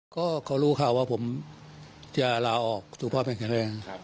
ก็เขารู้ข่าวว่าผมจะลาออกตัวพ่อแรงท่านแรกครับ